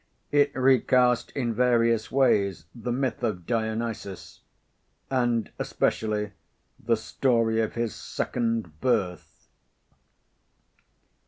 It recast in various ways the myth of Dionysus, and especially the story of his Second Birth.